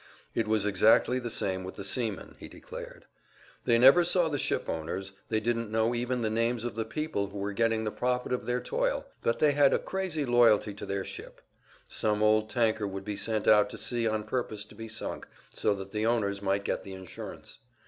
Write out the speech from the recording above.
It was exactly the same with the seamen, he declared. They never saw the ship owners, they didn't know even the names of the people who were getting the profit of their toil, but they had a crazy loyalty to their ship, Some old tanker would be sent out to sea on purpose to be sunk, so that the owners might get the insurance.